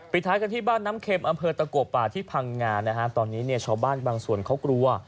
ท้ายกันที่บ้านน้ำเข็มอำเภอตะกัวป่าที่พังงานะฮะตอนนี้เนี่ยชาวบ้านบางส่วนเขากลัว